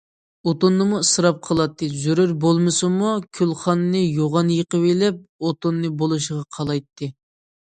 ئوتۇننىمۇ ئىسراپ قىلاتتى، زۆرۈر بولمىسىمۇ گۈلخاننى يوغان يېقىۋېلىپ ئوتۇننى بولۇشىغا قالايتتى.